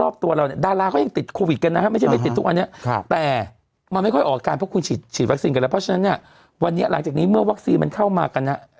เพราะฉะนั้นเนี่ยวันที่หลังจากนี้มันเข้ามากันนะครับ